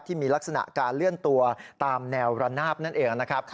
ที่มีลักษณะการเลื่อนตัวตามแนวระนาบนั่นเองนะครับ